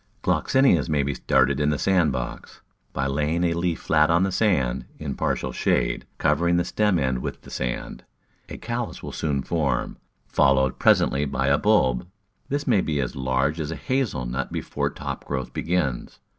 Gloxinias may be started in the sand box by laying a leaf flat on the sand, in partial shade, covering the stem end with the sand. A callus will soon form, followed presently by a bulb. This may be as large as a hazel nut before top growth begins.